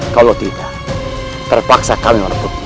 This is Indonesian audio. kalau tidak terpaksa kami merebut